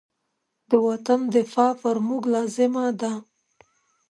د وطن دفاع پر موږ لازمه ده.